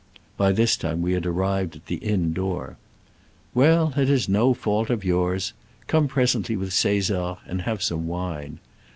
By this time we had arrived at the inn door. *'Well, it is no fault of yours. Come presently with Caesar, and have some wine."